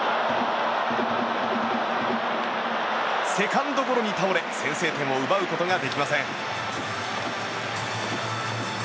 セカンドゴロに倒れ先制点を奪うことができません。